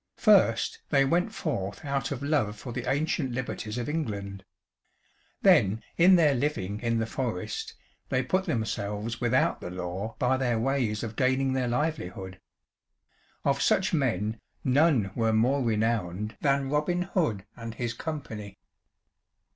First they went forth out of love for the ancient liberties of England. Then in their living in the forest, they put themselves without the law by their ways of gaining their livelihood. Of such men none were more renowned than Robin Hood and his company.